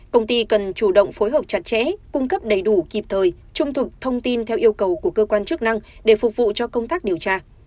công ty cần chủ động phối hợp chặt chẽ cung cấp đầy đủ kịp thời trung thực thông tin theo yêu cầu của cơ quan chức năng để phục vụ cho công tác điều tra